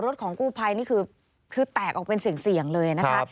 ของกู้ภัยนี่คือแตกออกเป็นเสี่ยงเลยนะคะ